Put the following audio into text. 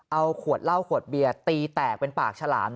เอาขวดเหล้าขวดเบียร์ตีแตกเป็นปากฉลาม